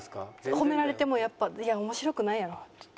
褒められてもやっぱ「いや面白くないやろ」って言って。